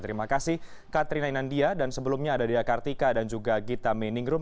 terima kasih katrina inandia dan sebelumnya ada dea kartika dan juga gita meningrum